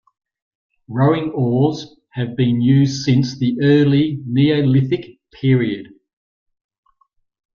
Rowing oars have been used since the early Neolithic period.